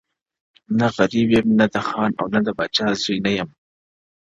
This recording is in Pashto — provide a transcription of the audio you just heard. نه د غریب یم؛ نه د خان او د باچا زوی نه یم؛